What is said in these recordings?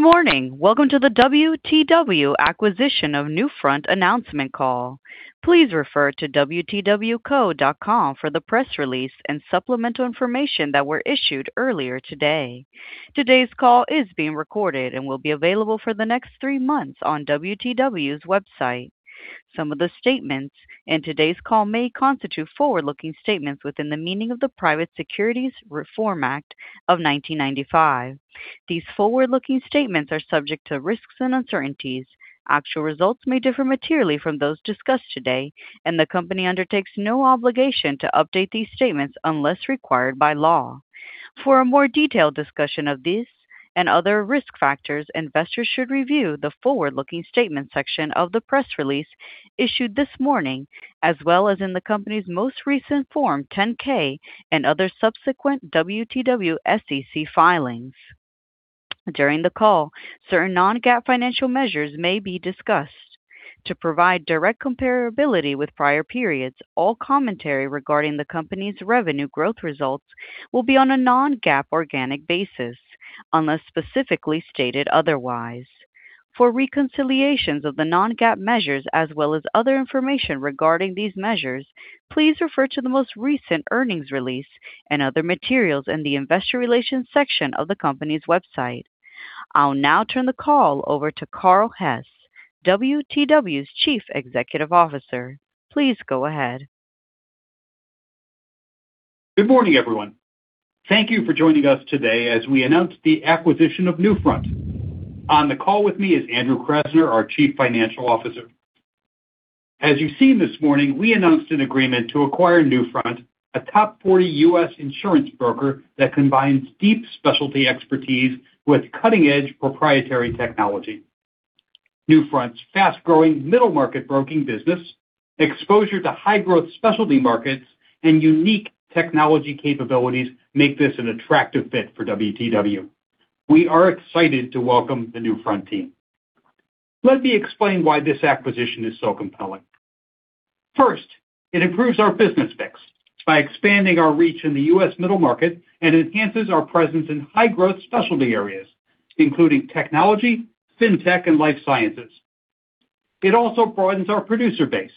Good morning. Welcome to the WTW Acquisition of Newfront announcement call. Please refer to wtwco.com for the press release and supplemental information that were issued earlier today. Today's call is being recorded and will be available for the next three months on WTW's website. Some of the statements in today's call may constitute forward-looking statements within the meaning of the Private Securities Litigation Reform Act of 1995. These forward-looking statements are subject to risks and uncertainties. Actual results may differ materially from those discussed today, and the company undertakes no obligation to update these statements unless required by law. For a more detailed discussion of this and other risk factors, investors should review the forward-looking statement section of the press release issued this morning, as well as in the company's most recent Form 10-K and other subsequent WTW SEC filings. During the call, certain non-GAAP financial measures may be discussed. To provide direct comparability with prior periods, all commentary regarding the company's revenue growth results will be on a non-GAAP organic basis, unless specifically stated otherwise. For reconciliations of the non-GAAP measures, as well as other information regarding these measures, please refer to the most recent earnings release and other materials in the investor relations section of the company's website. I'll now turn the call over to Carl Hess, WTW's Chief Executive Officer. Please go ahead. Good morning, everyone. Thank you for joining us today as we announce the acquisition of Newfront. On the call with me is Andrew Krasner, our Chief Financial Officer. As you've seen this morning, we announced an agreement to acquire Newfront, a top 40 U.S. insurance broker that combines deep specialty expertise with cutting-edge proprietary technology. Newfront's fast-growing middle-market broking business, exposure to high-growth specialty markets, and unique technology capabilities make this an attractive fit for WTW. We are excited to welcome the Newfront team. Let me explain why this acquisition is so compelling. First, it improves our business mix by expanding our reach in the U.S. middle market and enhances our presence in high-growth specialty areas, including technology, fintech, and life sciences. It also broadens our producer base,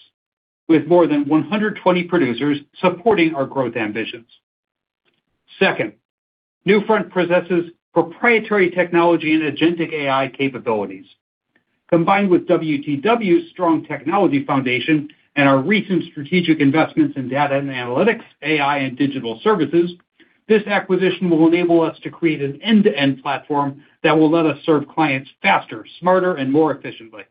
with more than 120 producers supporting our growth ambitions. Second, Newfront possesses proprietary technology and agentic AI capabilities. Combined with WTW's strong technology foundation and our recent strategic investments in data and analytics, AI, and digital services, this acquisition will enable us to create an end-to-end platform that will let us serve clients faster, smarter, and more efficiently.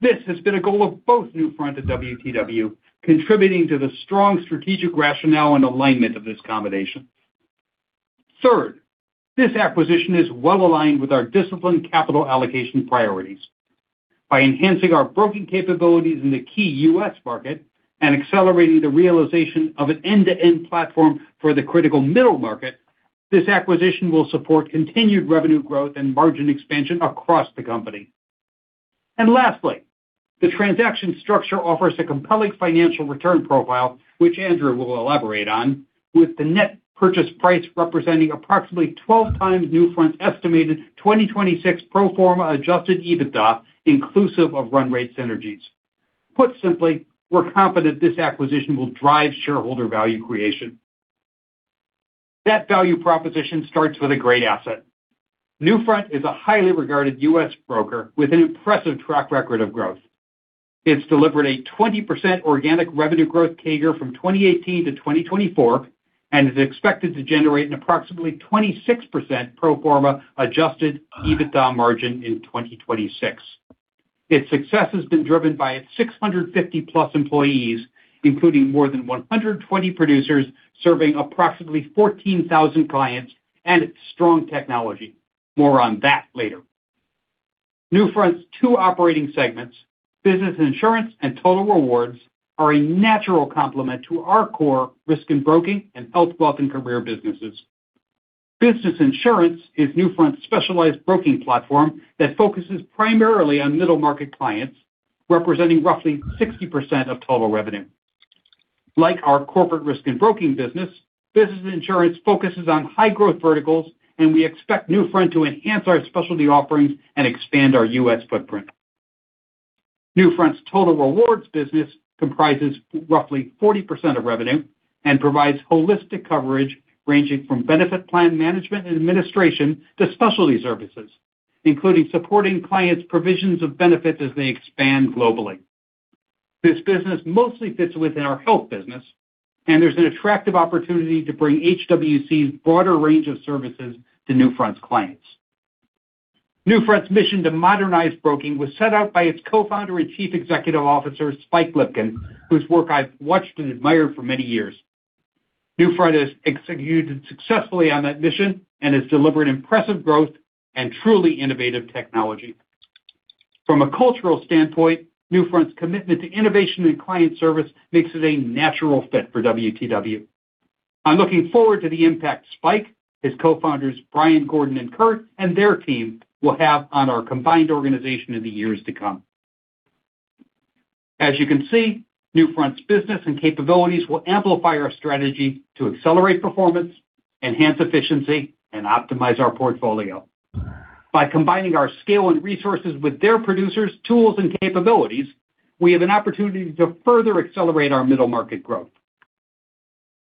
This has been a goal of both Newfront and WTW, contributing to the strong strategic rationale and alignment of this combination. Third, this acquisition is well-aligned with our disciplined capital allocation priorities. By enhancing our broking capabilities in the key U.S. market and accelerating the realization of an end-to-end platform for the critical middle market, this acquisition will support continued revenue growth and margin expansion across the company. Lastly, the transaction structure offers a compelling financial return profile, which Andrew will elaborate on, with the net purchase price representing approximately 12 times Newfront's estimated 2026 pro forma Adjusted EBITDA, inclusive of run rate synergies. Put simply, we're confident this acquisition will drive shareholder value creation. That value proposition starts with a great asset. Newfront is a highly regarded U.S. broker with an impressive track record of growth. It's delivered a 20% organic revenue growth CAGR from 2018 to 2024 and is expected to generate an approximately 26% pro forma Adjusted EBITDA margin in 2026. Its success has been driven by its 650-plus employees, including more than 120 producers serving approximately 14,000 clients and strong technology. More on that later. Newfront's two operating segments, Business Insurance and Total Rewards, are a natural complement to our core Risk and Broking and Health, Wealth, and Career businesses. Business Insurance is Newfront's specialized broking platform that focuses primarily on middle-market clients, representing roughly 60% of total revenue. Like our corporate risk and broking business, Business Insurance focuses on high-growth verticals, and we expect Newfront to enhance our specialty offerings and expand our U.S. footprint. Newfront's Total Rewards business comprises roughly 40% of revenue and provides holistic coverage ranging from benefit plan management and administration to specialty services, including supporting clients' provisions of benefits as they expand globally. This business mostly fits within our health business, and there's an attractive opportunity to bring HWC's broader range of services to Newfront's clients. Newfront's mission to modernize broking was set out by its co-founder and Chief Executive Officer, Spike Lipkin, whose work I've watched and admired for many years. Newfront has executed successfully on that mission and has delivered impressive growth and truly innovative technology. From a cultural standpoint, Newfront's commitment to innovation and client service makes it a natural fit for WTW. I'm looking forward to the impact Spike, his co-founders Brian Gordon and Kurt, and their team will have on our combined organization in the years to come. As you can see, Newfront's business and capabilities will amplify our strategy to accelerate performance, enhance efficiency, and optimize our portfolio. By combining our scale and resources with their producers, tools, and capabilities, we have an opportunity to further accelerate our middle-market growth.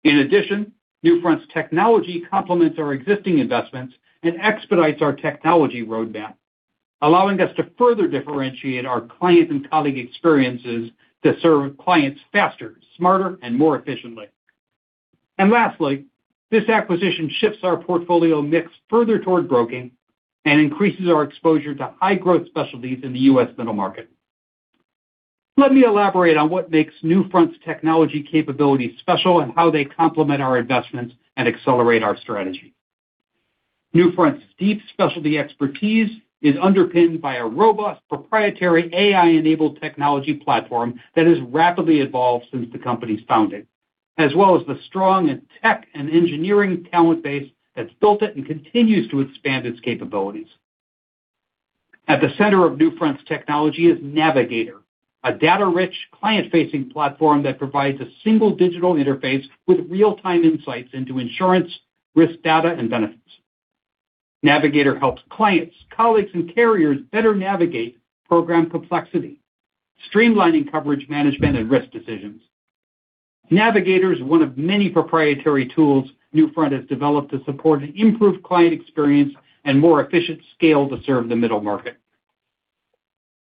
In addition, Newfront's technology complements our existing investments and expedites our technology roadmap, allowing us to further differentiate our client and colleague experiences to serve clients faster, smarter, and more efficiently. Lastly, this acquisition shifts our portfolio mix further toward broking and increases our exposure to high-growth specialties in the U.S. middle market. Let me elaborate on what makes Newfront's technology capabilities special and how they complement our investments and accelerate our strategy. Newfront's deep specialty expertise is underpinned by a robust proprietary AI-enabled technology platform that has rapidly evolved since the company's founding, as well as the strong tech and engineering talent base that's built it and continues to expand its capabilities. At the center of Newfront's technology is Navigator, a data-rich, client-facing platform that provides a single digital interface with real-time insights into insurance, risk data, and benefits. Navigator helps clients, colleagues, and carriers better navigate program complexity, streamlining coverage management and risk decisions. Navigator is one of many proprietary tools Newfront has developed to support an improved client experience and more efficient scale to serve the middle market.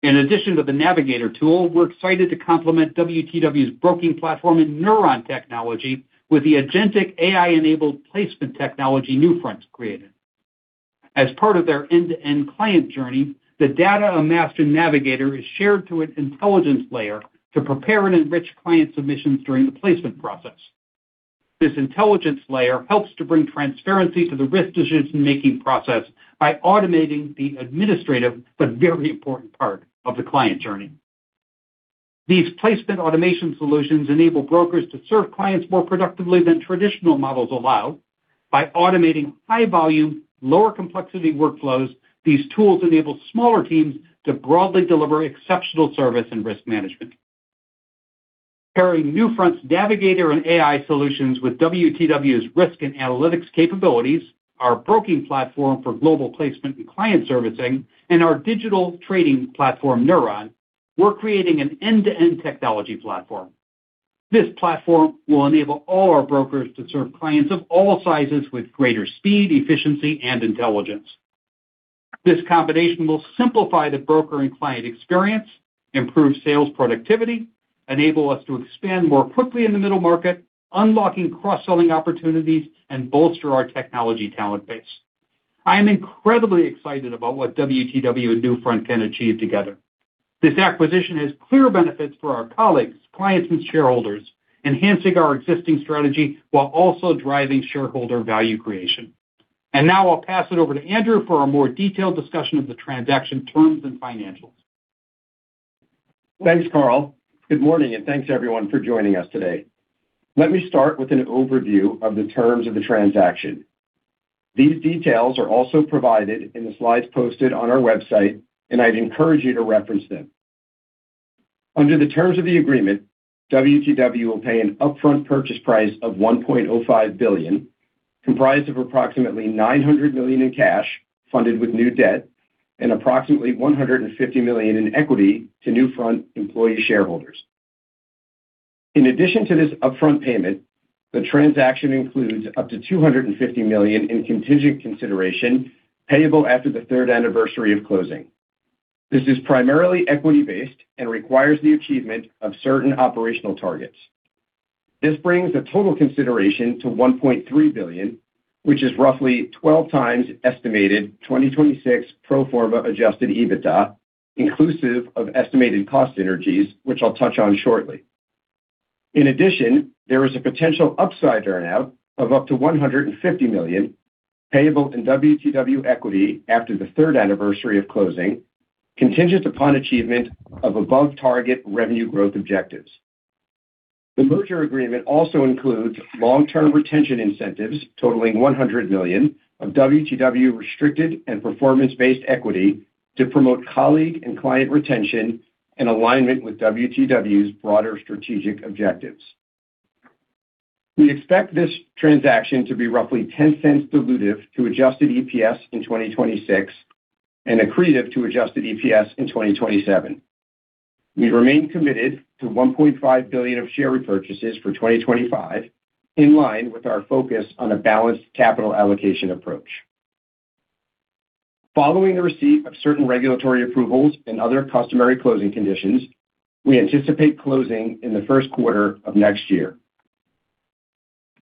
In addition to the Navigator tool, we're excited to complement WTW's broking platform and Neuron technology with the Agentic AI-enabled placement technology Newfront created. As part of their end-to-end client journey, the data amassed in Navigator is shared to an intelligence layer to prepare and enrich client submissions during the placement process. This intelligence layer helps to bring transparency to the risk decision-making process by automating the administrative, but very important part, of the client journey. These placement automation solutions enable brokers to serve clients more productively than traditional models allow. By automating high-volume, lower-complexity workflows, these tools enable smaller teams to broadly deliver exceptional service and risk management. Pairing Newfront's Navigator and AI solutions with WTW's risk and analytics capabilities, our broking platform for global placement and client servicing, and our digital trading platform, Neuron, we're creating an end-to-end technology platform. This platform will enable all our brokers to serve clients of all sizes with greater speed, efficiency, and intelligence. This combination will simplify the broker and client experience, improve sales productivity, enable us to expand more quickly in the middle market, unlock cross-selling opportunities, and bolster our technology talent base. I am incredibly excited about what WTW and Newfront can achieve together. This acquisition has clear benefits for our colleagues, clients, and shareholders, enhancing our existing strategy while also driving shareholder value creation, and now I'll pass it over to Andrew for a more detailed discussion of the transaction terms and financials. Thanks, Carl. Good morning, and thanks, everyone, for joining us today. Let me start with an overview of the terms of the transaction. These details are also provided in the slides posted on our website, and I'd encourage you to reference them. Under the terms of the agreement, WTW will pay an upfront purchase price of $1.05 billion, comprised of approximately $900 million in cash funded with new debt and approximately $150 million in equity to Newfront employee shareholders. In addition to this upfront payment, the transaction includes up to $250 million in contingent consideration payable after the third anniversary of closing. This is primarily equity-based and requires the achievement of certain operational targets. This brings the total consideration to $1.3 billion, which is roughly 12 times estimated 2026 pro forma adjusted EBITDA, inclusive of estimated cost synergies, which I'll touch on shortly. In addition, there is a potential upside earnout of up to $150 million payable in WTW equity after the third anniversary of closing, contingent upon achievement of above-target revenue growth objectives. The merger agreement also includes long-term retention incentives totaling $100 million of WTW restricted and performance-based equity to promote colleague and client retention and alignment with WTW's broader strategic objectives. We expect this transaction to be roughly $0.10 dilutive to Adjusted EPS in 2026 and accretive to Adjusted EPS in 2027. We remain committed to $1.5 billion of share repurchases for 2025, in line with our focus on a balanced capital allocation approach. Following the receipt of certain regulatory approvals and other customary closing conditions, we anticipate closing in the first quarter of next year.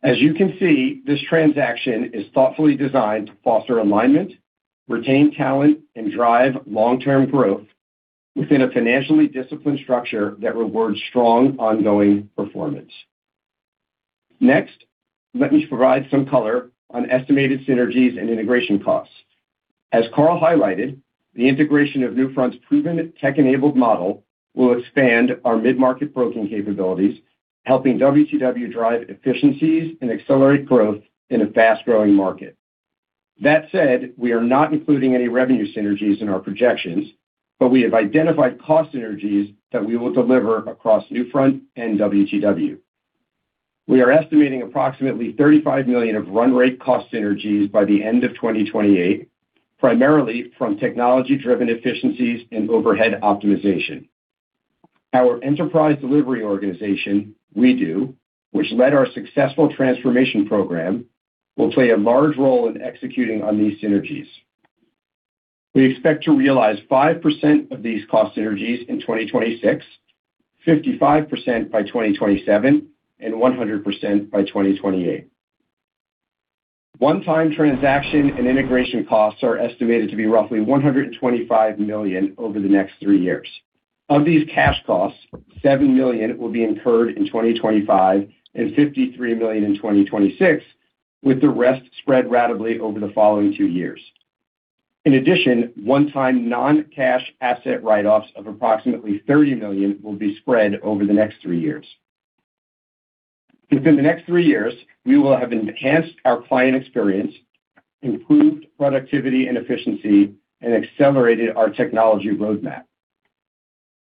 As you can see, this transaction is thoughtfully designed to foster alignment, retain talent, and drive long-term growth within a financially disciplined structure that rewards strong ongoing performance. Next, let me provide some color on estimated synergies and integration costs. As Carl highlighted, the integration of Newfront's proven tech-enabled model will expand our mid-market broking capabilities, helping WTW drive efficiencies and accelerate growth in a fast-growing market. That said, we are not including any revenue synergies in our projections, but we have identified cost synergies that we will deliver across Newfront and WTW. We are estimating approximately $35 million of run rate cost synergies by the end of 2028, primarily from technology-driven efficiencies and overhead optimization. Our enterprise delivery organization, WeDo, which led our successful transformation program, will play a large role in executing on these synergies. We expect to realize 5% of these cost synergies in 2026, 55% by 2027, and 100% by 2028. One-time transaction and integration costs are estimated to be roughly $125 million over the next three years. Of these cash costs, $7 million will be incurred in 2025 and $53 million in 2026, with the rest spread ratably over the following two years. In addition, one-time non-cash asset write-offs of approximately $30 million will be spread over the next three years. Within the next three years, we will have enhanced our client experience, improved productivity and efficiency, and accelerated our technology roadmap.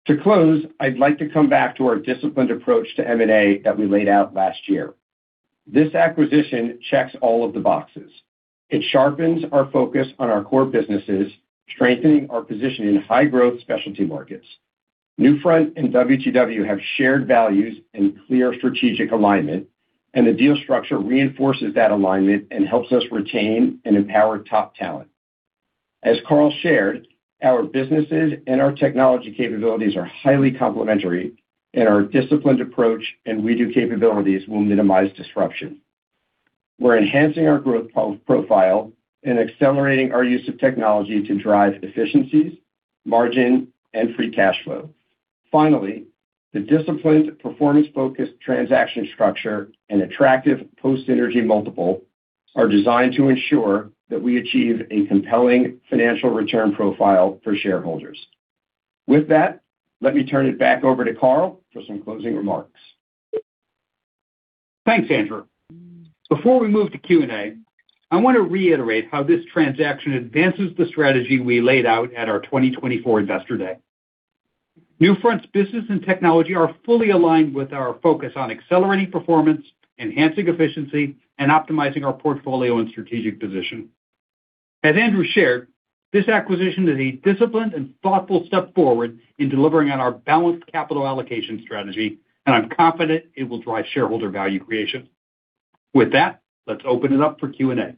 To close, I'd like to come back to our disciplined approach to M&A that we laid out last year. This acquisition checks all of the boxes. It sharpens our focus on our core businesses, strengthening our position in high-growth specialty markets. Newfront and WTW have shared values and clear strategic alignment, and the deal structure reinforces that alignment and helps us retain and empower top talent. As Carl shared, our businesses and our technology capabilities are highly complementary, and our disciplined approach and WeDo capabilities will minimize disruption. We're enhancing our growth profile and accelerating our use of technology to drive efficiencies, margin, and free cash flow. Finally, the disciplined, performance-focused transaction structure and attractive post-synergy multiple are designed to ensure that we achieve a compelling financial return profile for shareholders. With that, let me turn it back over to Carl for some closing remarks. Thanks, Andrew. Before we move to Q&A, I want to reiterate how this transaction advances the strategy we laid out at our 2024 Investor Day. Newfront's business and technology are fully aligned with our focus on accelerating performance, enhancing efficiency, and optimizing our portfolio and strategic position. As Andrew shared, this acquisition is a disciplined and thoughtful step forward in delivering on our balanced capital allocation strategy, and I'm confident it will drive shareholder value creation. With that, let's open it up for Q&A.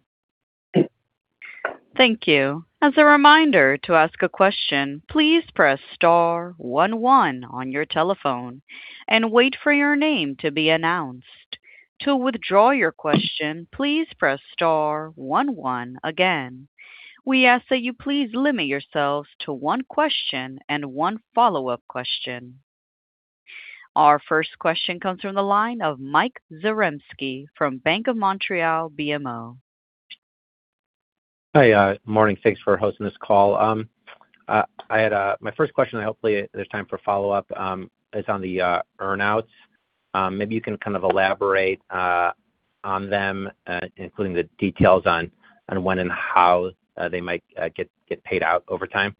Thank you. As a reminder to ask a question, please press star 11 on your telephone and wait for your name to be announced. To withdraw your question, please press star 11 again. We ask that you please limit yourselves to one question and one follow-up question. Our first question comes from the line of Mike Zarembski from Bank of Montreal BMO. Hi, Good morning. Thanks for hosting this call. My first question, hopefully there's time for follow-up, is on the earnouts. Maybe you can elaborate on them, including the details on when and how they might get paid out over time.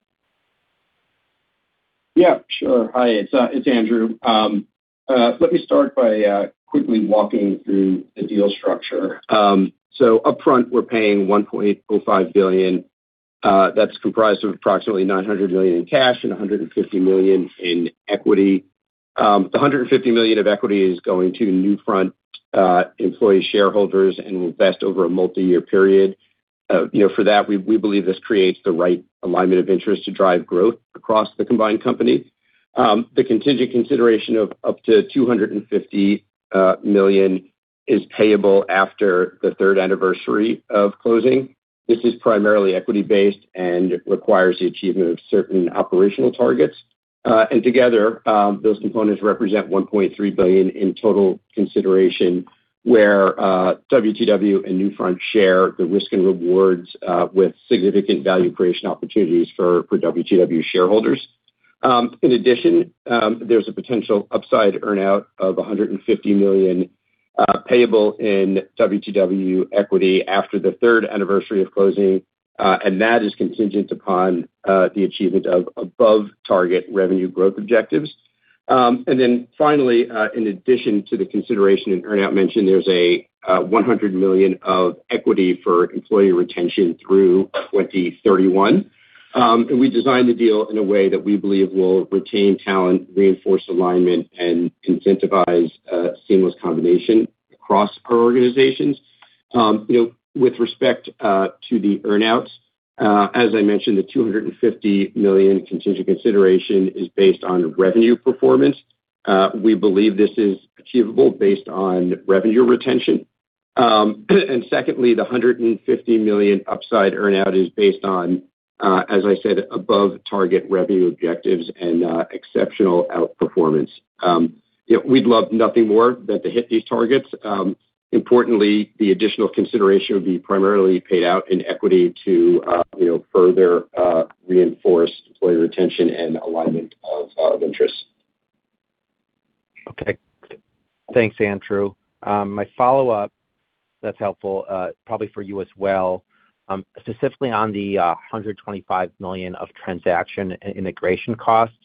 Yeah, sure. Hi, it's Andrew. Let me start by quickly walking through the deal structure. Upfront, we're paying $1.05 billion. That's comprised of approximately $900 million in cash and $150 million in equity. The $150 million of equity is going to Newfront employee shareholders and will vest over a multi-year period. For that, we believe this creates the right alignment of interest to drive growth across the combined company. The contingent consideration of up to $250 million is payable after the third anniversary of closing. This is primarily equity-based and requires the achievement of certain operational targets. Together, those components represent $1.3 billion in total consideration, where WTW and Newfront share the risk and rewards with significant value creation opportunities for WTW shareholders. In addition, there's a potential upside earnout of $150 million payable in WTW equity after the third anniversary of closing, and that is contingent upon the achievement of above-target revenue growth objectives. Finally, in addition to the consideration and earnout mentioned, there's a $100 million of equity for employee retention through 2031. We designed the deal in a way that we believe will retain talent, reinforce alignment, and incentivize seamless combination across our organizations. With respect to the earnouts, as I mentioned, the $250 million contingent consideration is based on revenue performance. We believe this is achievable based on revenue retention. Secondly, the $150 million upside earnout is based on, as I said, above-target revenue objectives and exceptional outperformance. We'd love nothing more than to hit these targets. Importantly, the additional consideration would be primarily paid out in equity to further reinforce employee retention and alignment of interests. Okay. Thanks, Andrew. My follow-up that's helpful probably for you as well, specifically on the $125 million of transaction and integration costs.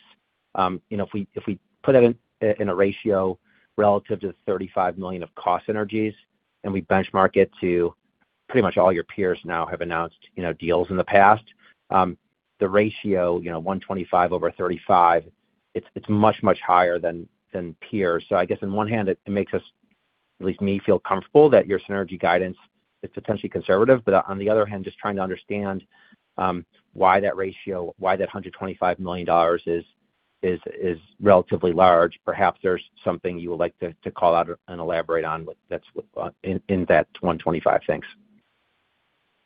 If we put that in a ratio relative to the $35 million of cost synergies, and we benchmark it to pretty much all your peers now have announced deals in the past, the ratio 125 over 35, it's much, much higher than peers. On one hand, it makes us, at least me, feel comfortable that your synergy guidance is potentially conservative. On the other hand, just trying to understand why that ratio, why that $125 million is relatively large, perhaps there's something you would like to call out and elaborate on in that 2025. Thanks.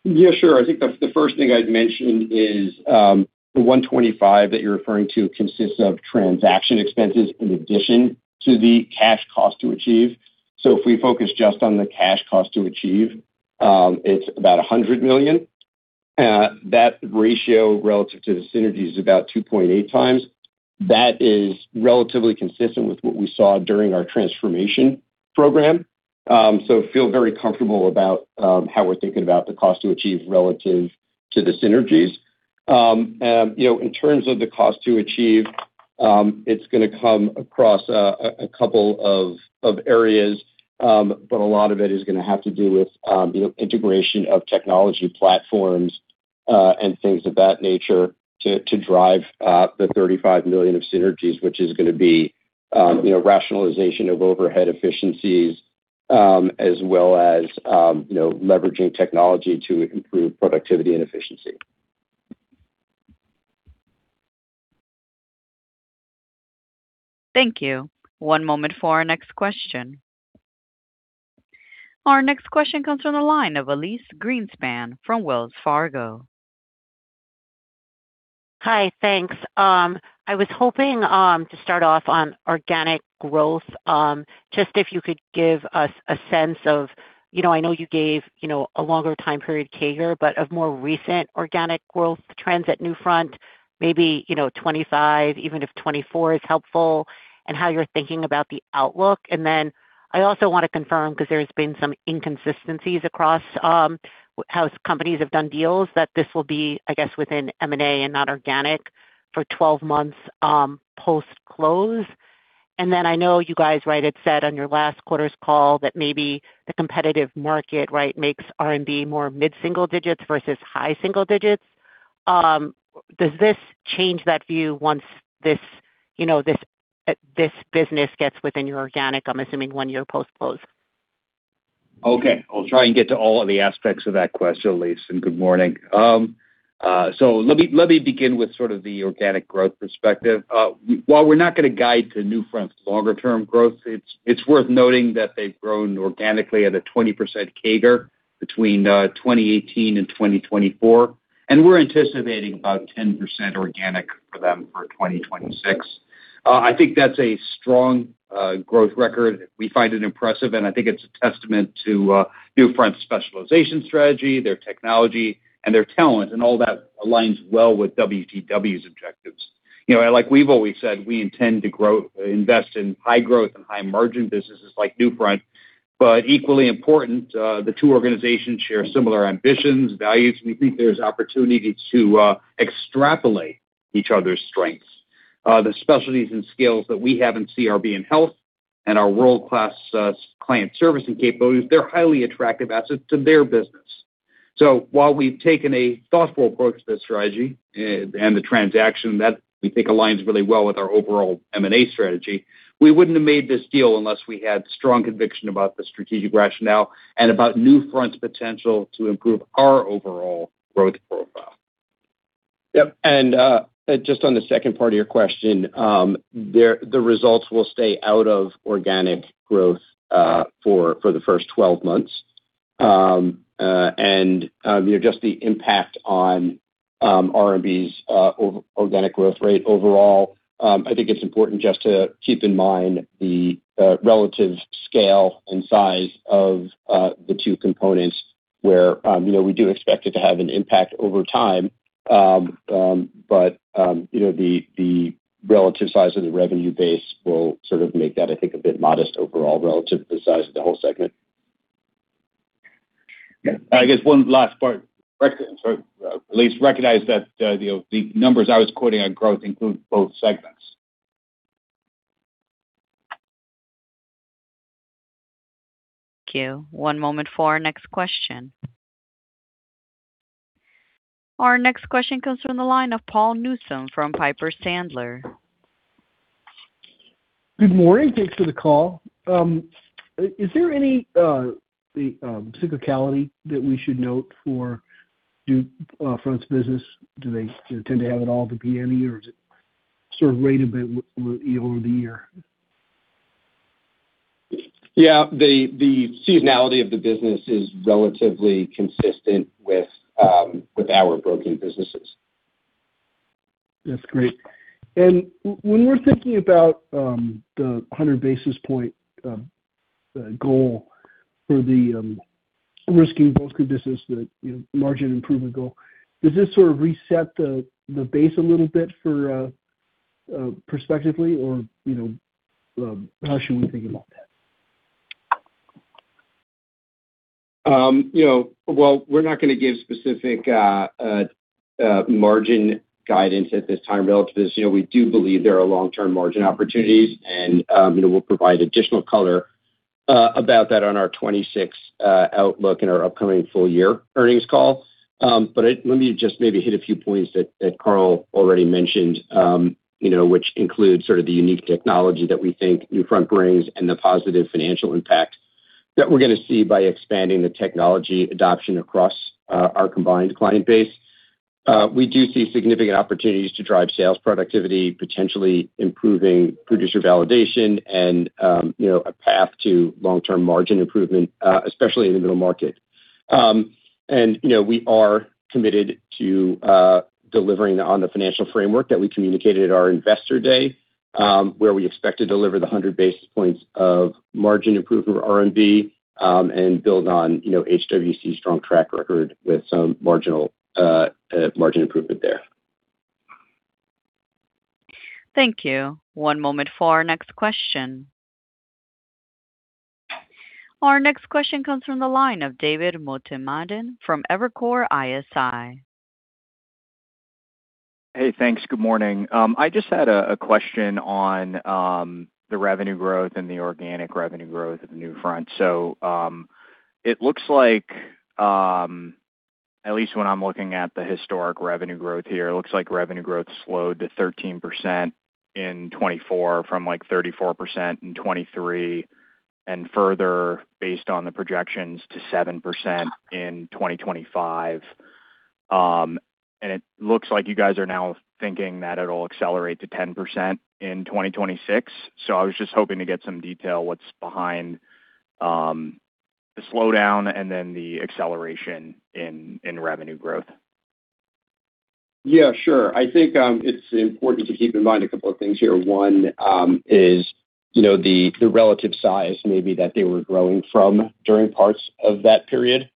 Yeah, sure. The first thing I'd mention is the $125 that you're referring to consists of transaction expenses in addition to the cash cost to achieve. If we focus just on the cash cost to achieve, it's about $100 million. That ratio relative to the synergy is about 2.8 times. That is relatively consistent with what we saw during our transformation program. I feel very comfortable about how we're thinking about the cost to achieve relative to the synergies. In terms of the cost to achieve, it's going to come across a couple of areas, but a lot of it is going to have to do with integration of technology platforms and things of that nature to drive the $35 million of synergies, which is going to be rationalization of overhead efficiencies as well as leveraging technology to improve productivity and efficiency. Thank you. One moment for our next question. Our next question comes from the line of Elyse Greenspan from Wells Fargo. Hi, thanks. I was hoping to start off on organic growth. Just if you could give us a sense of, I know you gave a longer time period CAGR, but of more recent organic growth trends at Newfront, maybe 2025, even if 2024 is helpful, and how you're thinking about the outlook. I also want to confirm because there have been some inconsistencies across how companies have done deals that this will be within M&A and not organic for 12 months post-close. I know you guys, right, had said on your last quarter's call that maybe the competitive market, right, makes organic more mid-single digits versus high single digits. Does this change that view once this business gets within your organic, I'm assuming, one year post-close? Okay. I'll try and get to all of the aspects of that question, Elyse, and good morning, so let me begin with the organic growth perspective. While we're not going to guide to Newfront's longer-term growth, it's worth noting that they've grown organically at a 20% CAGR between 2018 and 2024, and we're anticipating about 10% organic for them for 2026. That's a strong growth record. We find it impressive, and it's a testament to Newfront's specialization strategy, their technology, and their talent, and all that aligns well with WTW's objectives. Like we've always said, we intend to invest in high-growth and high-margin businesses like Newfront. Equally important, the two organizations share similar ambitions, values, and there's opportunity to extrapolate each other's strengths. The specialties and skills that we have in RB and Health and our world-class client service and capabilities, they're highly attractive assets to their business, so while we've taken a thoughtful approach to the strategy and the transaction that aligns really well with our overall M&A strategy, we wouldn't have made this deal unless we had strong conviction about the strategic rationale and about Newfront's potential to improve our overall growth profile. Yep, and just on the second part of your question, the results will stay out of organic growth for the first 12 months and just the impact on R&B's organic growth rate overall, it's important just to keep in mind the relative scale and size of the two components where we do expect it to have an impact over time. The relative size of the revenue base will make that a bit modest overall relative to the size of the whole segment. One last part. Elyse, recognize that the numbers I was quoting on growth include both segments. Thank you. One moment for our next question. Our next question comes from the line of Paul Newsome from Piper Sandler. Good morning. Thanks for the call. Is there any cyclicality that we should note for Newfront's business? Do they tend to have it all at the beginning, or is it rate a bit over the year? Yeah. The seasonality of the business is relatively consistent with our broking businesses. That's great. When we're thinking about the 100 basis point goal for the Risk and Broking business, the margin improvement goal, does this reset the base a little bit prospectively, or how should we think about that? We're not going to give specific margin guidance at this time relative to this. We do believe there are long-term margin opportunities, and we'll provide additional color about that on our 2026 outlook and our upcoming full-year earnings call. Let me just maybe hit a few points that Carl already mentioned, which include the unique technology that Newfront brings and the positive financial impact that we're going to see by expanding the technology adoption across our combined client base. We do see significant opportunities to drive sales productivity, potentially improving producer validation, and a path to long-term margin improvement, especially in the middle market. We are committed to delivering on the financial framework that we communicated at our investor day, where we expect to deliver the 100 basis points of margin improvement for R&B and build on HWC's strong track record with some marginal margin improvement there. Thank you. One moment for our next question. Our next question comes from the line of David Motemaden from Evercore ISI. Hey, thanks. Good morning. I just had a question on the revenue growth and the organic revenue growth of Newfront, so it looks like, at least when I'm looking at the historic revenue growth here, it looks like revenue growth slowed to 13% in 2024 from like 34% in 2023 and further, based on the projections, to 7% in 2025, and it looks like you guys are now thinking that it'll accelerate to 10% in 2026, so I was just hoping to get some detail what's behind the slowdown and then the acceleration in revenue growth. Yeah, sure. It's important to keep in mind a couple of things here. One is the relative size maybe that they were growing from during parts of that period.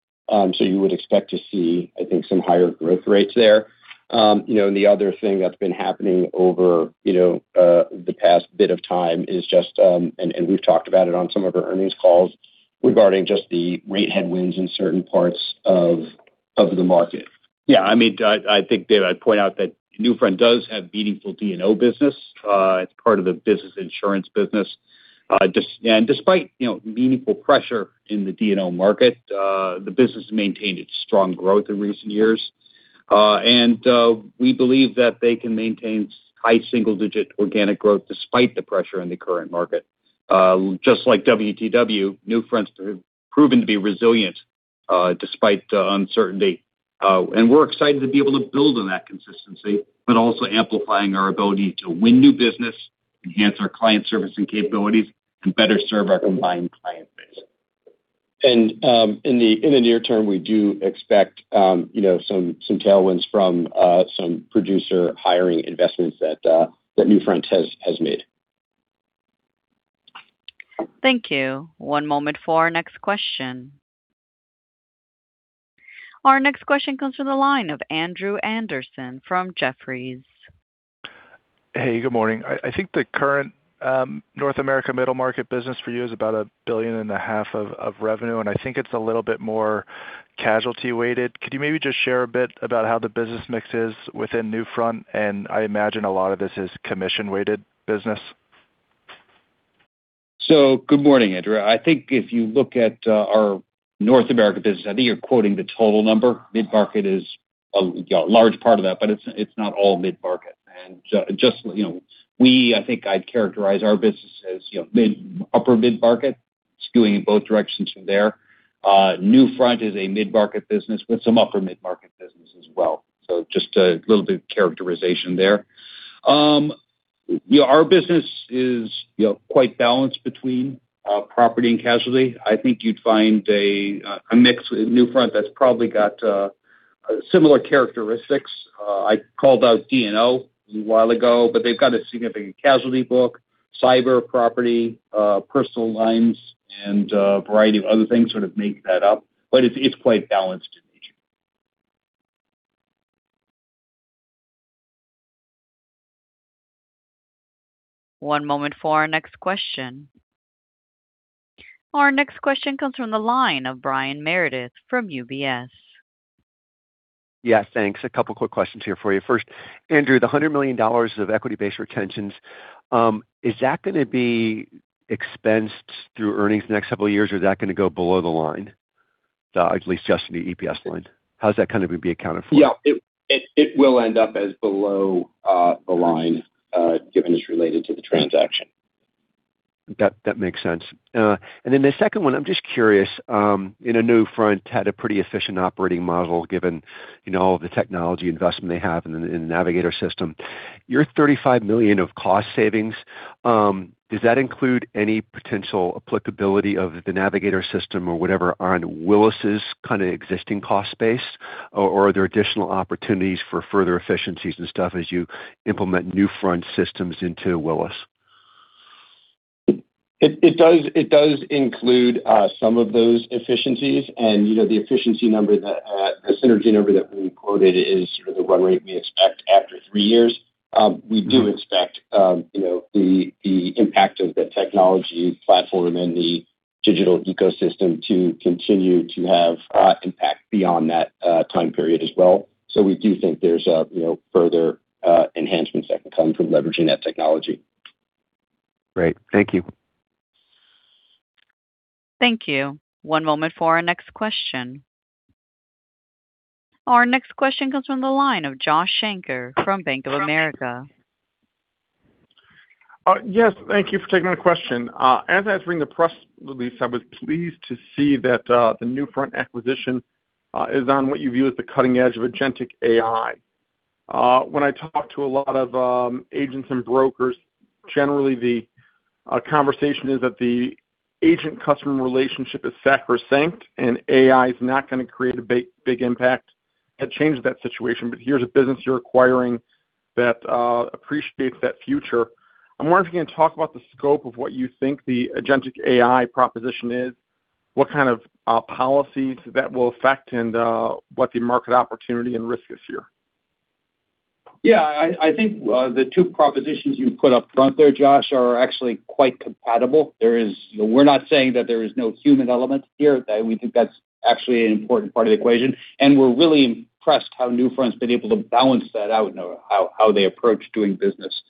You would expect to see some higher growth rates there. The other thing that's been happening over the past bit of time is just, and we've talked about it on some of our earnings calls regarding just the rate headwinds in certain parts of the market. Yeah, I'd point out that Newfront does have meaningful D&O business. It's part of the business insurance business. Despite meaningful pressure in the D&O market, the business has maintained its strong growth in recent years. We believe that they can maintain high single-digit organic growth despite the pressure in the current market. Just like WTW, Newfront has proven to be resilient despite the uncertainty. We're excited to be able to build on that consistency, but also amplifying our ability to win new business, enhance our client service and capabilities, and better serve our combined client base. In the near term, we do expect some tailwinds from some producer hiring investments that Newfront has made. Thank you. One moment for our next question. Our next question comes from the line of Andrew Anderson from Jefferies. Hey, good morning. The current North America middle market business for you is about $1.5 billion of revenue, and it's a little bit more casualty-weighted. Could you maybe just share a bit about how the business mix is within Newfront, and I imagine a lot of this is commission-weighted business. So, good morning, Andrew. If you look at our North America business you're quoting the total number. Mid-market is a large part of that, but it's not all mid-market. I'd characterize our business as upper mid-market, skewing in both directions from there. Newfront is a mid-market business with some upper mid-market business as well. Just a little bit of characterization there. Our business is quite balanced between property and casualty. You'd find a mix with Newfront that's probably got similar characteristics. I called out D&O a while ago, but they've got a significant casualty book, cyber, property, personal lines, and a variety of other things make that up. It's quite balanced in nature. One moment for our next question. Our next question comes from the line of Brian Meredith from UBS. Yes, thanks. A couple of quick questions here for you. First, Andrew, the $100 million of equity-based retentions, is that going to be expensed through earnings the next couple of years, or is that going to go below the line, at least just in the EPS line? How's that going to be accounted for? Yeah. It will end up as below the line given it's related to the transaction. That makes sense. The second one, I'm just curious Newfront had a pretty efficient operating model given all of the technology investment they have in the Navigator system. Your $35 million of cost savings, does that include any potential applicability of the Navigator system or whatever on Willis's existing cost space, or are there additional opportunities for further efficiencies and stuff as you implement Newfront systems into Willis? It does include some of those efficiencies. The efficiency number, the synergy number that we quoted is the run rate we expect after three years. We do expect the impact of the technology platform and the digital ecosystem to continue to have impact beyond that time period as well. There's further enhancements that can come from leveraging that technology. Great. Thank you. Thank you. One moment for our next question. Our next question comes from the line of Josh Schenker from Bank of America. Yes. Thank you for taking my question. As I was reading the press release, I was pleased to see that the Newfront acquisition is on what you view as the cutting edge of agentic AI. When I talk to a lot of agents and brokers, generally, the conversation is that the agent-customer relationship is sacrosanct, and AI is not going to create a big impact that changes that situation. Here's a business you're acquiring that appreciates that future. I'm wondering if you can talk about the scope of what you think the agentic AI proposition is, what policies that will affect, and what the market opportunity and risk is here? Yeah. The two propositions you put up front there, Josh, are actually quite compatible. We're not saying that there is no human element here. That's actually an important part of the equation, and we're really impressed how Newfront's been able to balance that out and how they approach doing business,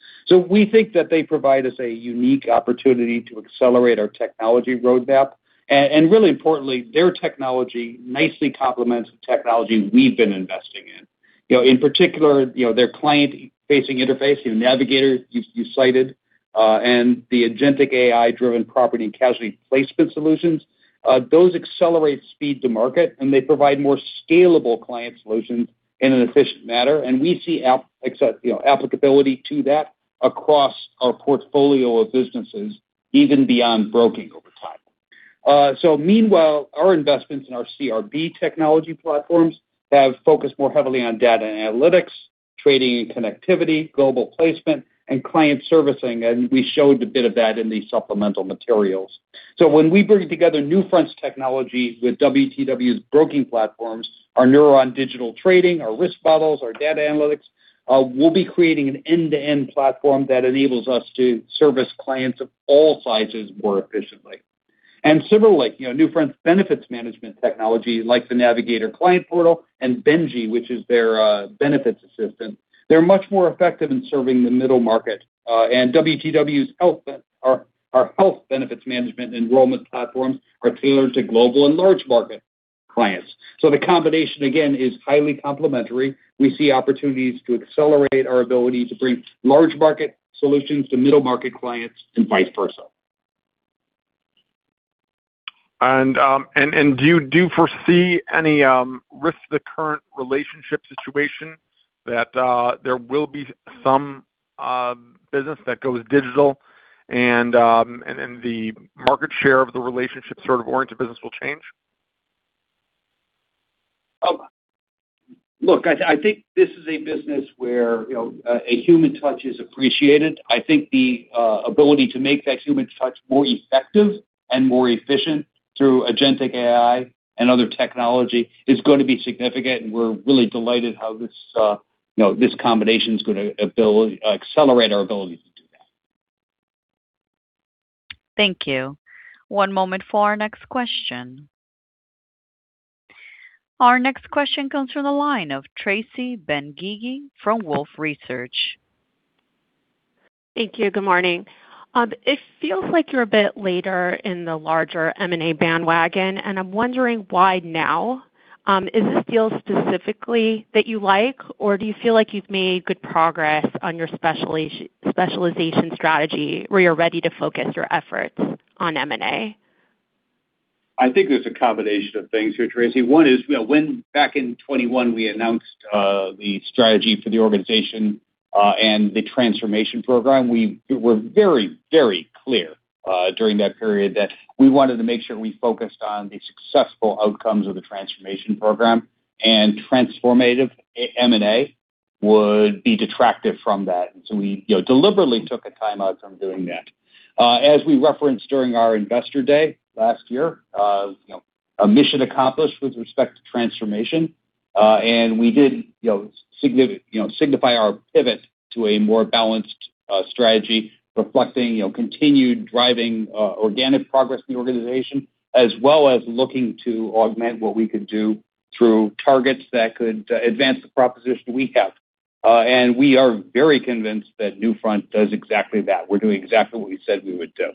they provide us a unique opportunity to accelerate our technology roadmap, and really importantly, their technology nicely complements the technology we've been investing in. In particular, their client-facing interface, Navigator, you cited, and the Agentic AI-driven property and casualty placement solutions, those accelerate speed to market, and they provide more scalable client solutions in an efficient manner, and we see applicability to that across our portfolio of businesses, even beyond broking over time. Meanwhile, our investments in our CRB technology platforms have focused more heavily on data and analytics, trading and connectivity, global placement, and client servicing. And we showed a bit of that in the supplemental materials. When we bring together Newfront's technology with WTW's broking platforms, our Neuron digital trading, our risk models, our data analytics, we'll be creating an end-to-end platform that enables us to service clients of all sizes more efficiently. Similarly, Newfront's benefits management technology, like the Navigator client portal and Benji, which is their benefits assistant, they're much more effective in serving the middle market. WTW's health benefits management enrollment platforms are tailored to global and large market clients. The combination, again, is highly complementary. We see opportunities to accelerate our ability to bring large market solutions to middle market clients and vice versa. Do you foresee any risk of the current relationship situation that there will be some business that goes digital and the market share of the relationship oriented business will change? Look, this is a business where a human touch is appreciated. The ability to make that human touch more effective and more efficient through agentic AI and other technology is going to be significant. We're really delighted how this combination is going to accelerate our ability to do that. Thank you. One moment for our next question. Our next question comes from the line of Tracy Benguigui from Wolfe Research. Thank you. Good morning. It feels like you're a bit later in the larger M&A bandwagon, and I'm wondering why now. Is this deal specifically that you like, or do you feel like you've made good progress on your specialization strategy where you're ready to focus your efforts on M&A? There's a combination of things here, Tracy. One is when back in 2021, we announced the strategy for the organization and the transformation program, we were very, very clear during that period that we wanted to make sure we focused on the successful outcomes of the transformation program, and transformative M&A would be detractive from that, and so we deliberately took a timeout from doing that. As we referenced during our investor day last year, a mission accomplished with respect to transformation, and we did signify our pivot to a more balanced strategy, reflecting continued driving organic progress in the organization, as well as looking to augment what we could do through targets that could advance the proposition we have, and we are very convinced that Newfront does exactly that. We're doing exactly what we said we would do.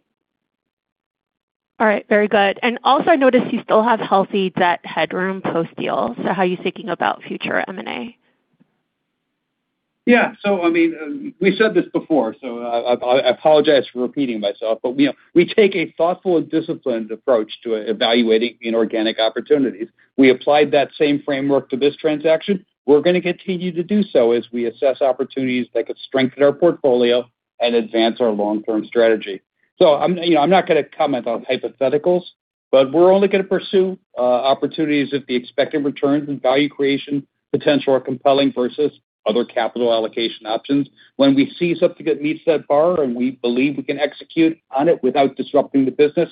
All right. Very good. Also, I noticed you still have healthy debt headroom post-deal. How are you thinking about future M&A? Yeah. We said this before, so I apologize for repeating myself, but we take a thoughtful and disciplined approach to evaluating inorganic opportunities. We applied that same framework to this transaction. We're going to continue to do so as we assess opportunities that could strengthen our portfolio and advance our long-term strategy. I'm not going to comment on hypotheticals, but we're only going to pursue opportunities if the expected returns and value creation potential are compelling versus other capital allocation options. When we see something that meets that bar and we believe we can execute on it without disrupting the business,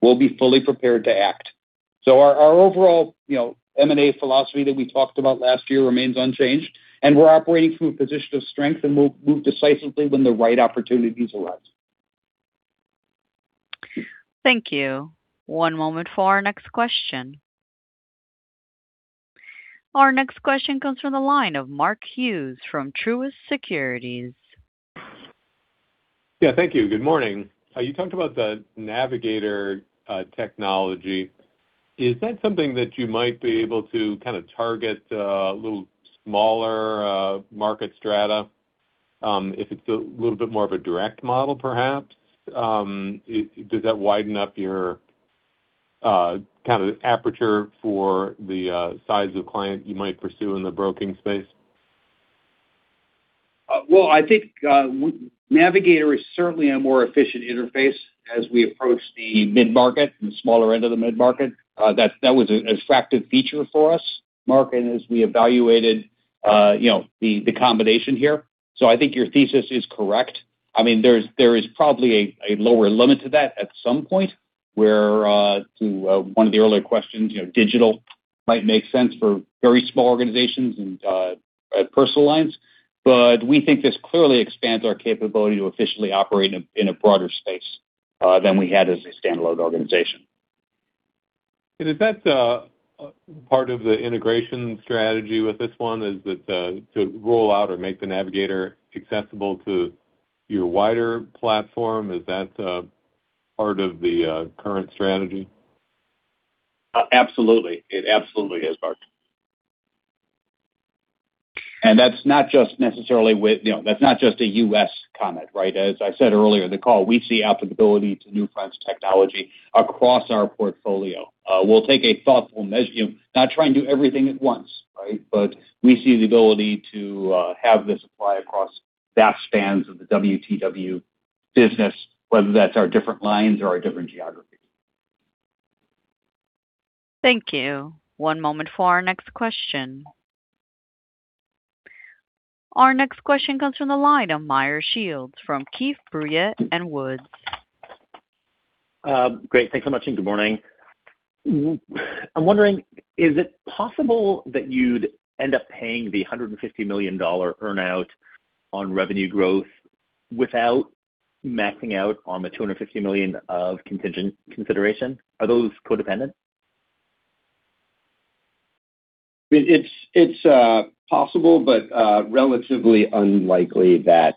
we'll be fully prepared to act. Our overall M&A philosophy that we talked about last year remains unchanged, and we're operating from a position of strength, and we'll move decisively when the right opportunities arise. Thank you. One moment for our next question. Our next question comes from the line of Mark Hughes from Truist Securities. Yeah. Thank you. Good morning. You talked about the Navigator technology. Is that something that you might be able to target a little smaller market strata if it's a little bit more of a direct model, perhaps? Does that widen up your aperture for the size of client you might pursue in the broking space? Navigator is certainly a more efficient interface as we approach the mid-market and the smaller end of the mid-market. That was an attractive feature for us, Mark, as we evaluated the combination here. Your thesis is correct.there is probably a lower limit to that at some point where, to one of the earlier questions, digital might make sense for very small organizations and personal lines. This clearly expands our capability to efficiently operate in a broader space than we had as a standalone organization. Is that part of the integration strategy with this one, is that to roll out or make the Navigator accessible to your wider platform? Is that part of the current strategy? Absolutely. It absolutely is, Mark. That's not just a U.S. comment, right? As I said earlier in the call, we see applicability to Newfront's technology across our portfolio. We'll take a thoughtful measure, not trying to do everything at once, right? But we see the ability to have this apply across vast spans of the WTW business, whether that's our different lines or our different geographies. Thank you. One moment for our next question. Our next question comes from the line of Meyer Shields from Keefe, Bruyette & Woods. Great. Thanks so much, and good morning. I'm wondering, is it possible that you'd end up paying the $150 million earn out on revenue growth without maxing out on the $250 million of contingent consideration? Are those codependent? It's possible, but relatively unlikely that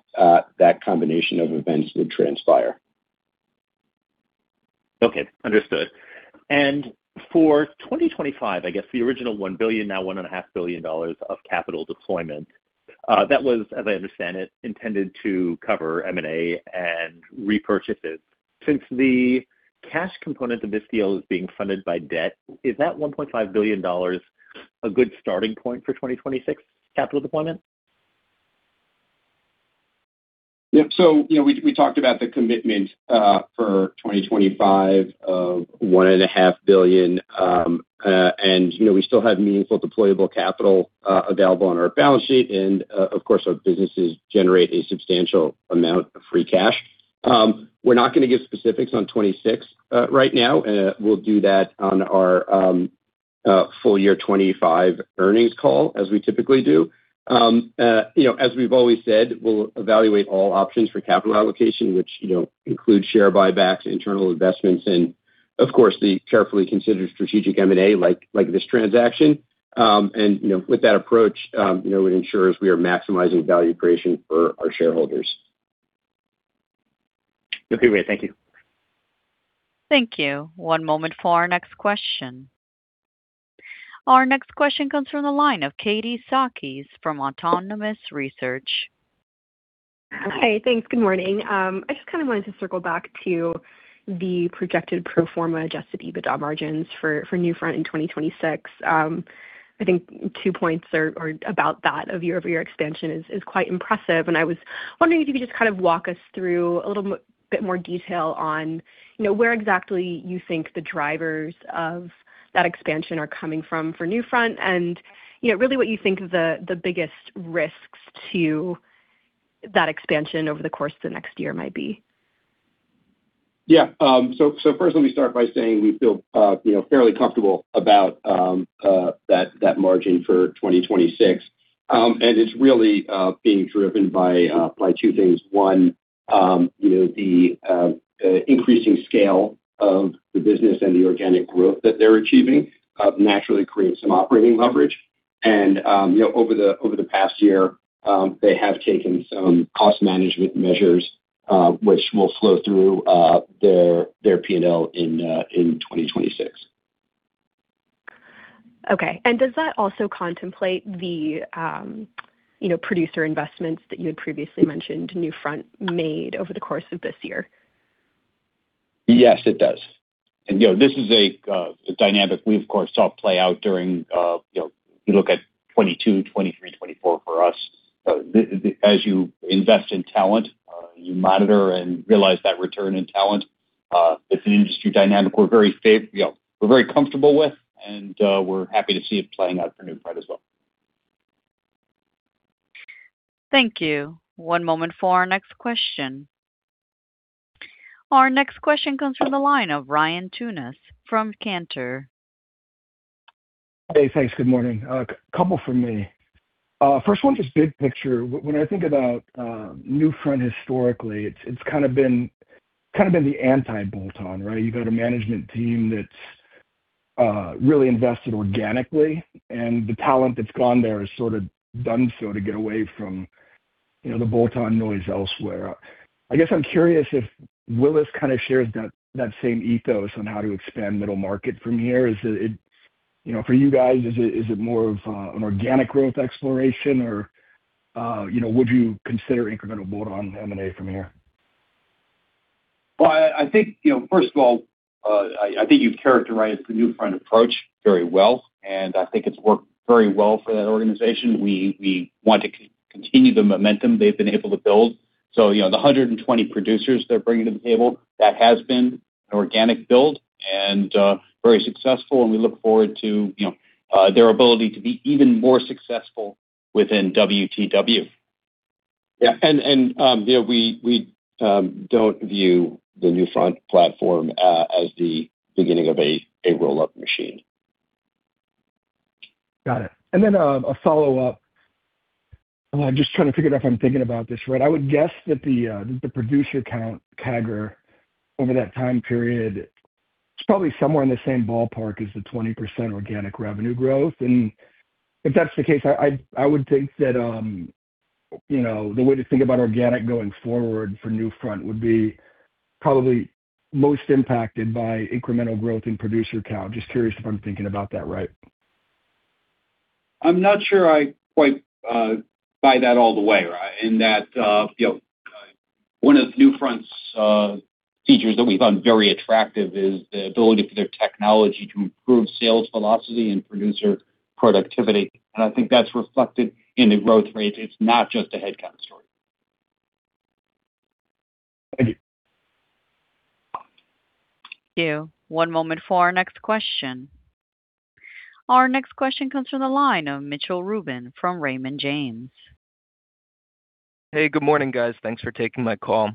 that combination of events would transpire. Okay. Understood. For 2025, the original $1 billion, now $1.5 billion of capital deployment, that was, as I understand it, intended to cover M&A and repurchases. Since the cash component of this deal is being funded by debt, is that $1.5 billion a good starting point for 2026 capital deployment? Yep, so we talked about the commitment for 2025 of $1.5 billion, and we still have meaningful deployable capital available on our balance sheet, and of course, our businesses generate a substantial amount of free cash. We're not going to give specifics on 2026 right now. We'll do that on our full year 2025 earnings call, as we typically do. As we've always said, we'll evaluate all options for capital allocation, which includes share buybacks, internal investments, and of course, the carefully considered strategic M&A like this transaction, and with that approach, it ensures we are maximizing value creation for our shareholders. Okay. Great. Thank you. Thank you. One moment for our next question. Our next question comes from the line of Katie Sakys from Autonomous Research. Hi. Thanks. Good morning. I just wanted to circle back to the projected pro forma just to get a bit on margins for Newfront in 2026. Two points are about that of your expansion is quite impressive, and I was wondering if you could just walk us through a little bit more detail on where exactly you think the drivers of that expansion are coming from for Newfront and really what you think the biggest risks to that expansion over the course of the next year might be? Yeah. First, let me start by saying we feel fairly comfortable about that margin for 2026. It's really being driven by two things. One, the increasing scale of the business and the organic growth that they're achieving naturally creates some operating leverage. Over the past year, they have taken some cost management measures, which will flow through their P&L in 2026. Okay. Does that also contemplate the producer investments that you had previously mentioned Newfront made over the course of this year? Yes, it does. This is a dynamic we, of course, saw play out during you look at 2022, 2023, 2024 for us. As you invest in talent, you monitor and realize that return in talent. It's an industry dynamic we're very comfortable with, and we're happy to see it playing out for Newfront as well. Thank you. One moment for our next question. Our next question comes from the line of Ryan Tunis from Cantor. Hey, thanks. Good morning. A couple for me. First one, just big picture. When about Newfront historically, it's been the anti-bolt-on, right? You've got a management team that's really invested organically, and the talent that's gone there has done so to get away from the bolt-on noise elsewhere. I'm curious if Willis shares that same ethos on how to expand middle market from here. For you guys, is it more of an organic growth exploration, or would you consider incremental bolt-on M&A from here? Well, first of all, you've characterized the Newfront approach very well, and it's worked very well for that organization. We want to continue the momentum they've been able to build. The 120 producers they're bringing to the table, that has been an organic build and very successful, and we look forward to their ability to be even more successful within WTW. Yeah. We don't view the Newfront platform as the beginning of a roll-up machine. Got it. A follow-up. I'm just trying to figure out if I'm thinking about this right. I would guess that the producer CAGR over that time period is probably somewhere in the same ballpark as the 20% organic revenue growth. If that's the case, I would think that the way to think about organic going forward for Newfront would be probably most impacted by incremental growth in producer count. Just curious if I'm thinking about that right. I'm not sure I quite buy that all the way, right? And one of Newfront's features that we found very attractive is the ability for their technology to improve sales velocity and producer productivity. That's reflected in the growth rate. It's not just a headcount story. Thank you. Thank you. One moment for our next question. Our next question comes from the line of Mitchell Rubin from Raymond James. Hey, good morning, guys. Thanks for taking my call.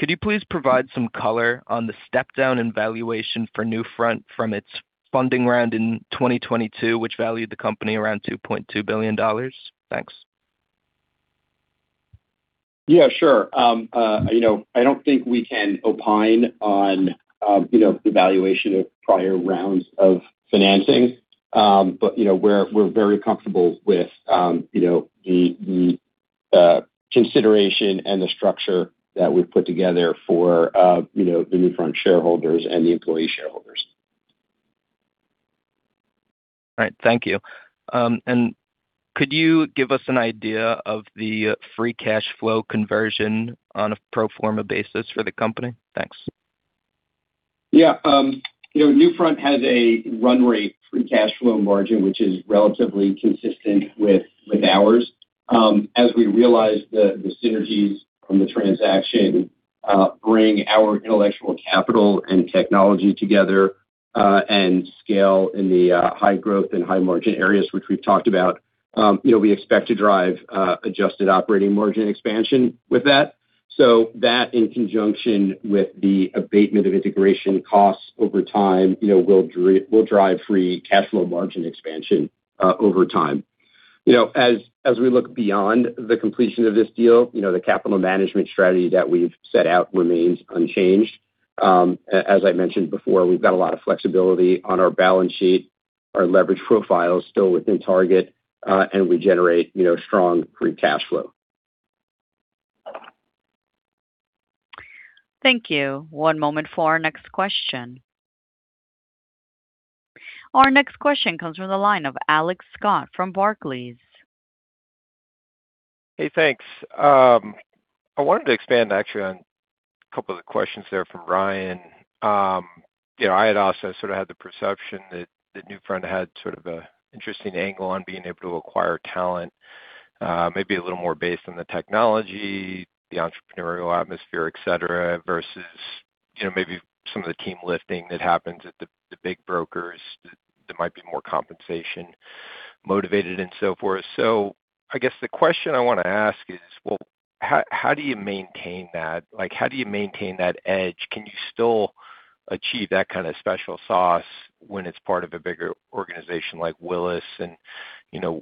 Could you please provide some color on the step-down valuation for Newfront from its funding round in 2022, which valued the company around $2.2 billion? Thanks. Yeah, sure. I don't think we can opine on the valuation of prior rounds of financing, but we're very comfortable with the consideration and the structure that we've put together for the Newfront shareholders and the employee shareholders. All right. Thank you, and could you give us an idea of the Free Cash Flow conversion on a pro forma basis for the company? Thanks. Yeah. Newfront has a run rate free cash flow margin, which is relatively consistent with ours. As we realize the synergies from the transaction bring our intellectual capital and technology together and scale in the high growth and high margin areas, which we've talked about, we expect to drive adjusted operating margin expansion with that. That, in conjunction with the abatement of integration costs over time, will drive free cash flow margin expansion over time. As we look beyond the completion of this deal, the capital management strategy that we've set out remains unchanged. As I mentioned before, we've got a lot of flexibility on our balance sheet. Our leverage profile is still within target, and we generate strong free cash flow. Thank you. One moment for our next question. Our next question comes from the line of Alex Scott from Barclays. Hey, thanks. I wanted to expand actually on a couple of the questions there from Ryan. I had also had the perception that Newfront had an interesting angle on being able to acquire talent, maybe a little more based on the technology, the entrepreneurial atmosphere, etc., versus maybe some of the team lifting that happens at the big brokers that might be more compensation motivated and so forth. The question I want to ask is, well, how do you maintain that? How do you maintain that edge? Can you still achieve that special sauce when it's part of a bigger organization like Willis? And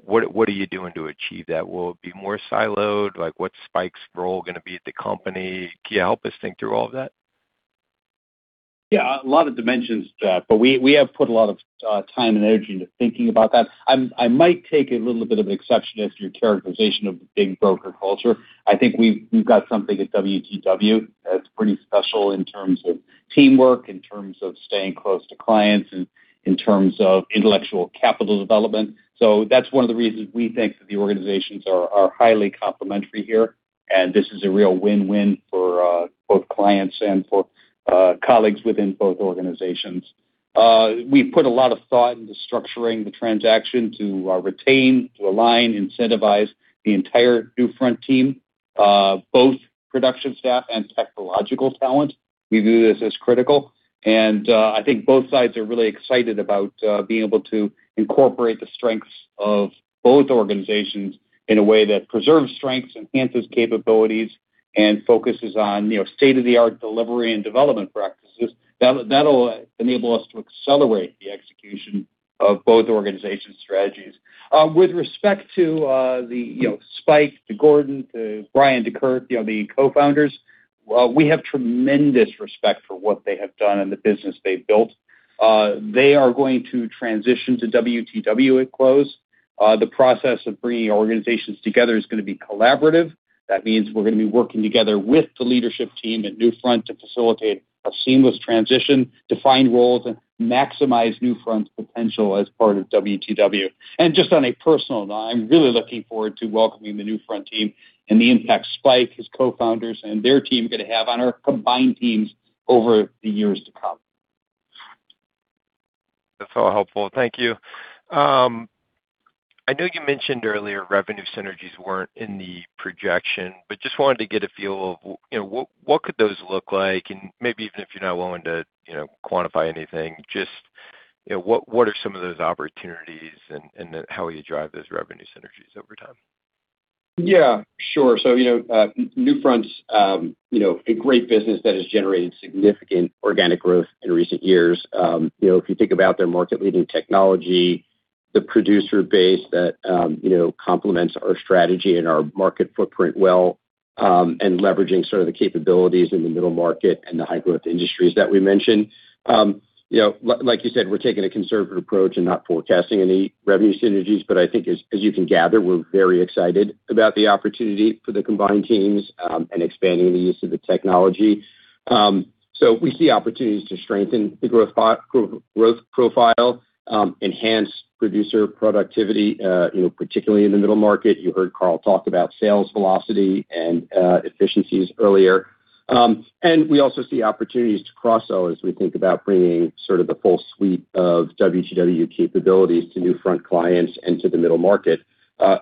what are you doing to achieve that? Will it be more siloed? What's Spike's role going to be at the company? Can you help us think through all of that? Yeah. A lot of dimensions, but we have put a lot of time and energy into thinking about that. I might take a little bit of an exception as to your characterization of the big broker culture. We've got something at WTW that's pretty special in terms of teamwork, in terms of staying close to clients, and in terms of intellectual capital development. That's one of the reasons that the organizations are highly complementary here, and this is a real win-win for both clients and for colleagues within both organizations. We've put a lot of thought into structuring the transaction to retain, to align, incentivize the entire Newfront team, both production staff and technological talent. We view this as critical. Both sides are really excited about being able to incorporate the strengths of both organizations in a way that preserves strengths, enhances capabilities, and focuses on state-of-the-art delivery and development practices. That'll enable us to accelerate the execution of both organizations' strategies. With respect to Spike, Gordon, Brian, Kurt, the co-founders, we have tremendous respect for what they have done and the business they've built. They are going to transition to WTW at close. The process of bringing organizations together is going to be collaborative. That means we're going to be working together with the leadership team at Newfront to facilitate a seamless transition, define roles, and maximize Newfront's potential as part of WTW. Just on a personal note, I'm really looking forward to welcoming the Newfront team and the impact Spike, his co-founders, and their team are going to have on our combined teams over the years to come. That's all helpful. Thank you. I know you mentioned earlier revenue synergies weren't in the projection, but just wanted to get a feel of what could those look like? And maybe even if you're not willing to quantify anything, just what are some of those opportunities and how will you drive those revenue synergies over time? Yeah, sure. Newfront's a great business that has generated significant organic growth in recent years. If you think about their market-leading technology, the producer base that complements our strategy and our market footprint well, and leveraging the capabilities in the middle market and the high-growth industries that we mentioned. Like you said, we're taking a conservative approach and not forecasting any revenue synergies. As you can gather, we're very excited about the opportunity for the combined teams and expanding the use of the technology. We see opportunities to strengthen the growth profile, enhance producer productivity, particularly in the middle market. You heard Carl talk about sales velocity and efficiencies earlier. We also see opportunities to cross as we think about bringing the full suite of WTW capabilities to Newfront clients and to the middle market,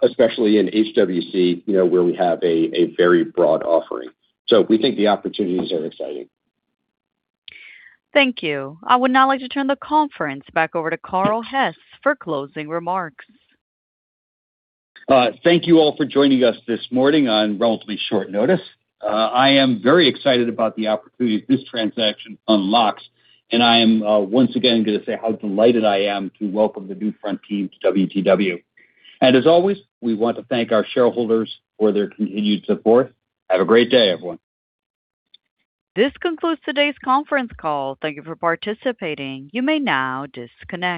especially in HWC, where we have a very broad offering. The opportunities are exciting. Thank you. I would now like to turn the conference back over to Carl Hess for closing remarks. Thank you all for joining us this morning on relatively short notice. I am very excited about the opportunities this transaction unlocks, and I am once again going to say how delighted I am to welcome the Newfront team to WTW, and as always, we want to thank our shareholders for their continued support. Have a great day, everyone. This concludes today's conference call. Thank you for participating. You may now disconnect.